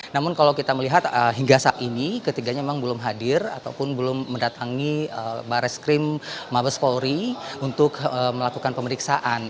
namun kalau kita melihat hingga saat ini ketiganya memang belum hadir ataupun belum mendatangi baris krim mabes polri untuk melakukan pemeriksaan